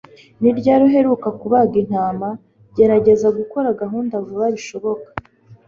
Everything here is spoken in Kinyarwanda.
Ni ryari uheruka kubaga intama? Gerageza gukora gahunda vuba bishoboka.